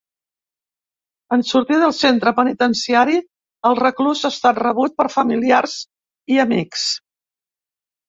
En sortir del centre penitenciari, el reclús ha estat rebut per familiars i amics.